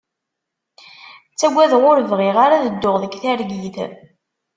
Ttagadeɣ ur bɣiɣ ara ad dduɣ deg targit.